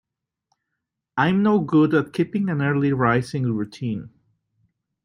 I'm no good at keeping an early rising routine.